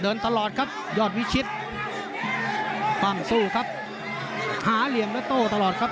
เดินตลอดครับย่อวิชิตต้องสู้ครับหาเหลี่ยมและโต้ตลอดครับ